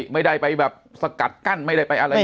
ไม่ได้ไปสกัดกั้นไม่ได้ไปอะไรแบบนี้